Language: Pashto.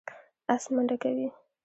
آس منډه کوي.